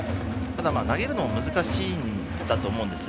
ただ、投げるのも難しいんだと思うんです。